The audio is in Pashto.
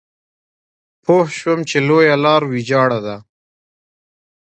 پوه شوم چې لویه لار ويجاړه ده.